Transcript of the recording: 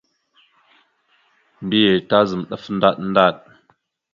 Mbiyez tazam ɗaf ndaɗ ndaɗ.